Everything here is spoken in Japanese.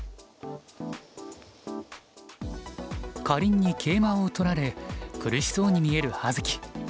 かりんに桂馬を取られ苦しそうに見える葉月。